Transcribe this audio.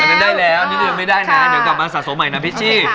อันนั้นได้แล้วนิดหนึ่งไม่ได้นะเดี๋ยวกลับมาสะสมใหม่น้ำพิชชี้